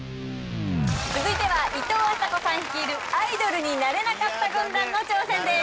続いてはいとうあさこさん率いるアイドルになれなかった軍団の挑戦です。